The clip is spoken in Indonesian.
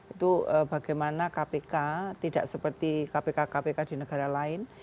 itu bagaimana kpk tidak seperti kpk kpk di negara lain